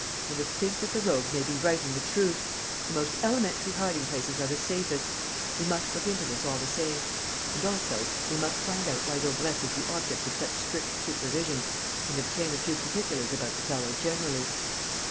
"And to think that the rogue may be writing the truth! The most elementary hiding places are the safest. We must look into this, all the same. And, also, we must find out why Daubrecq is the object of such strict supervision and obtain a few particulars about the fellow generally."